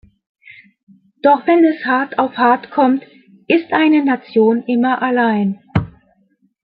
Doch wenn es hart auf hart kommt, ist eine Nation immer allein.